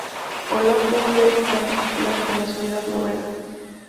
Olaf fue un rey bastante popular entre la sociedad noruega.